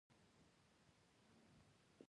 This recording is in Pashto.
دا دښتې د جغرافیوي تنوع مثال دی.